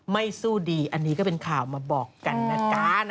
สู้ดีอันนี้ก็เป็นข่าวมาบอกกันนะจ๊ะ